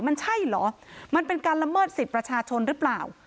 มันใช่เหรอมันเป็นการละเมิดสิทธิ์ประชาชนหรือเปล่า